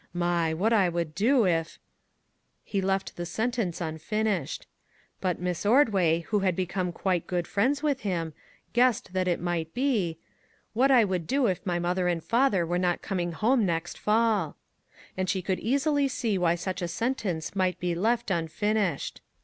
My ! what I would do if " He left the sen tence unfinished; but Miss Ordway, who had become quite good friends with him, guessed that it might be :" What I would do if my MAG AND MARGARET mother and father were not coming home next fall." And she could easily see why such a sen tence might be left unfinished.